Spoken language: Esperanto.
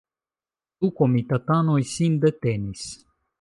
Du komitatanoj sintedetenis.